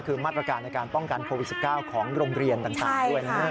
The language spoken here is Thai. คือมาตรการในการป้องกันโควิด๑๙ของโรงเรียนต่างด้วยนะ